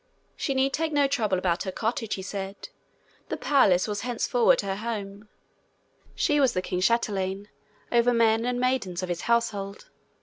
She need take no trouble about her cottage, he said; the palace was henceforward her home: she was the king's chatelaine over men and maidens of his household.